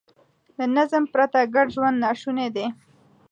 له نظم پرته ګډ ژوند ناشونی دی.